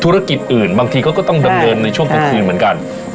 ธุรกิจอื่นบางทีเขาก็ต้องดำเนินในช่วงกลางคืนเหมือนกัน